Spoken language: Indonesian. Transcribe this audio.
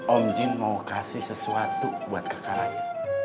om jun mau kasih sesuatu buat kak raya